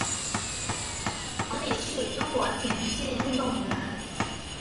王丽是中国田径运动员。